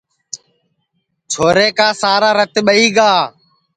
چھورے کُا سارا رت ٻئہی گا